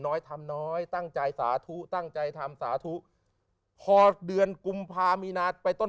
น้อยทำน้อยตั้งใจสาธุตั้งใจทำสาธุพอเดือนกุมภามีนาไปต้น